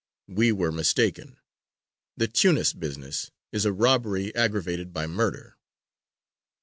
We were mistaken. The Tunis business is a robbery aggravated by murder."